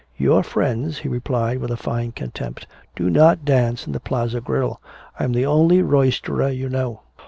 "Your friends," he replied with a fine contempt, "do not dance in the Plaza Grill. I'm the only roisterer you know."